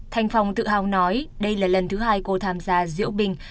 thanh phòng tự hào nói đây là lần thứ hai cô tham gia diễu binh